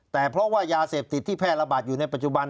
แต่เพราะว่ายาเสพติดที่แพร่ระบาดอยู่ในปัจจุบัน